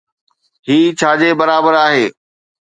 هي ڇا جي برابر آهي؟